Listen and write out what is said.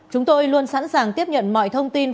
chúng tôi luôn sẵn sàng tiếp nhận mọi thông tin